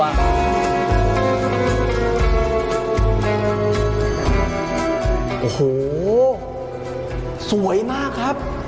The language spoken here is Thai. โอ้โหสวยมากครับ